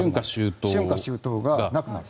春夏秋冬がなくなる。